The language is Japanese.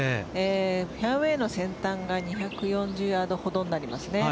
フェアウエーの先端が２４０ヤードほどになります。